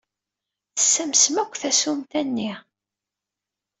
Tessamsem akk tasumta-nni!